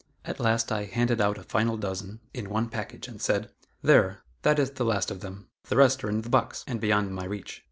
At last I handed out a final dozen in one package, and said: "There, that is the last of them; the rest are in the box, and beyond my reach."